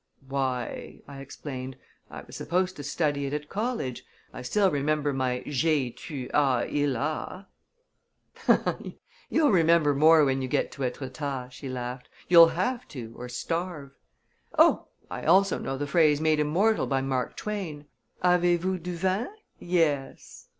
"Why," I explained, "I was supposed to study it at college. I still remember my 'j'ai, tu a, il a.'" "You'll remember more when you get to Etretat," she laughed. "You'll have to, or starve." "Oh, I also know the phrase made immortal by Mark Twain." "'Avez vous du vin?' yes."